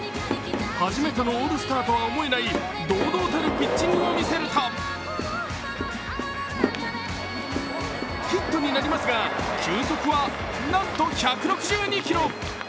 初めてのオールスターとは思えない堂々たるピッチングを見せるとヒットになりますが球速はなんと１６２キロ。